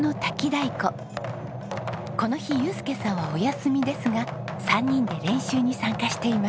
この日祐介さんはお休みですが３人で練習に参加しています。